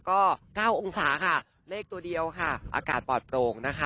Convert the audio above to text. ก็๙องศาค่ะเลขตัวเดียวค่ะอากาศปลอดโปร่งนะคะ